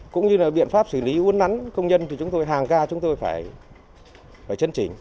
cũng như biện pháp xử lý uốn nắn công nhân hàng ca chúng tôi phải chân trình